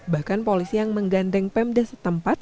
bahkan polisi yang menggandeng pemda setempat